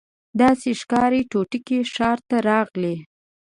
داسي ښکاري توتکۍ ښار ته راغلې